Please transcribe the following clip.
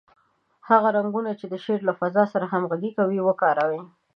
هغه رنګونه چې د شعر له فضا سره همغږي کوي، وکاروئ.